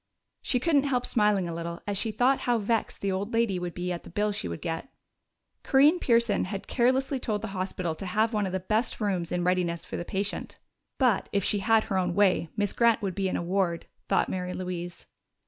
She couldn't help smiling a little as she thought how vexed the old lady would be at the bill she would get. Corinne Pearson had carelessly told the hospital to have one of the best rooms in readiness for the patient. ("But, if she had her own way, Miss Grant would be in a ward," thought Mary Louise.)